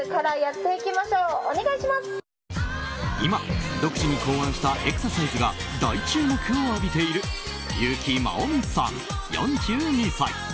今、独自に考案したエクササイズが大注目を浴びている優木まおみさん、４２歳。